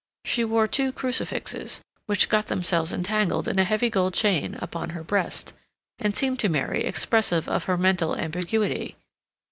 She wore two crucifixes, which got themselves entangled in a heavy gold chain upon her breast, and seemed to Mary expressive of her mental ambiguity.